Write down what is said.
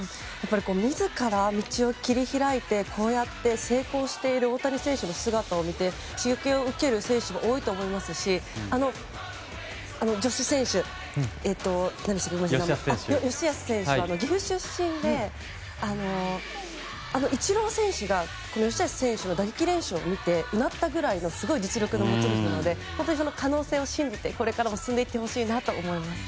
自ら道を切り開いてこうやって成功している大谷選手の姿を見て刺激を受ける選手も多いと思いますし今の女子選手、吉安選手は岐阜出身でイチロー選手が、吉安選手の打撃練習を見てうなったぐらいのすごい実力の持ち主なので本当に可能性を信じて進んでいってほしいと思います。